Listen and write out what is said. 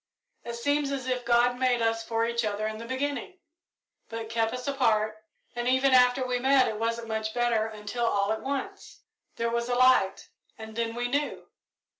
It seems as if God made us for each other in the beginning, but kept us apart, and even after we met it wasn't much better until all at once there was a light, and then we knew.